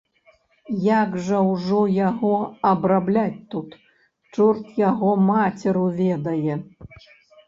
Як жа ўжо яго абрабляць тут, чорт яго мацеру ведае.